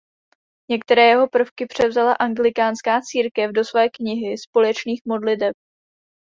Některé jeho prvky převzala Anglikánská církev do své Knihy společných modliteb.